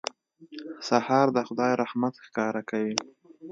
سهار د خدای رحمت ښکاره کوي.